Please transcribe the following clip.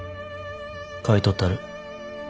買い取ったる。